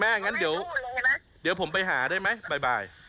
แม่งั้นเดี๋ยวเดี๋ยวผมไปหาได้ไหมบ๊ายบาย